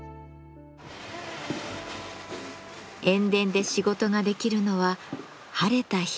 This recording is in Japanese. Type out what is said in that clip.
塩田で仕事ができるのは晴れた日だけ。